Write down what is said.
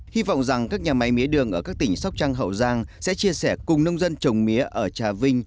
hy vọng rằng các nhà máy mía đường ở các tỉnh sóc trăng hậu giang sẽ chia sẻ cùng nông dân trồng mía ở trà vinh